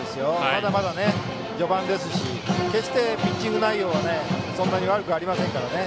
まだまだ序盤ですし決してピッチング内容はそんなに悪くありませんからね。